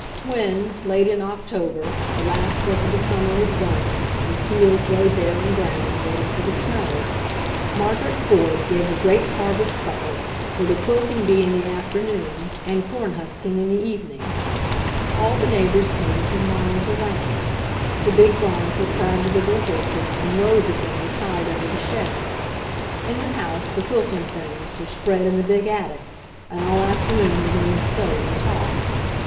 When, late in October, the last work of the summer was done and the fields lay bare and brown, waiting for the snow, Margaret Ford gave a great harvest supper with a quilting bee in the afternoon and corn husking in the evening. All the neighbors came from miles around. The big barns were crowded with their horses and rows of them were tied under the sheds. In the house the quilting frames were spread in the big attic, and all afternoon the women sewed and talked.